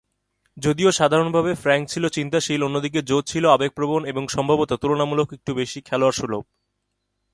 যদিও সাধারণভাবে "ফ্র্যাংক ছিল চিন্তাশীল, অন্যদিকে জো ছিল আবেগপ্রবণ, এবং সম্ভবত তুলনামূলকভাবে একটু বেশি খেলোয়াড়-সুলভ।"